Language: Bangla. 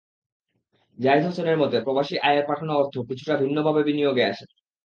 জাহিদ হোসেনের মতে, প্রবাসী আয়ের পাঠানো অর্থ কিছুটা ভিন্নভাবে বিনিয়োগে আসে।